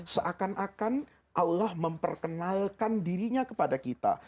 seakan akan allah memperkenalkan dirinya kepada kita